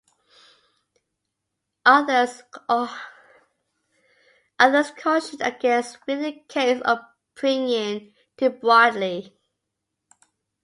Others cautioned against reading the case opinion too broadly.